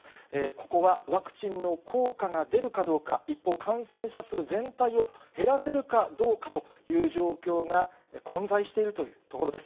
ここはワクチンの効果が出るかどうか、一方、感染者数全体を減らせるかどうかという状況が、混在しているというところです。